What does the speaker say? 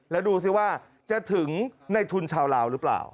แล้วดูสิว่าจะถึงในทุนชาวลาวหรือเปล่า